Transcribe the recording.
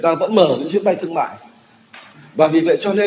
người ta vẫn mở những chuyến bay thương mại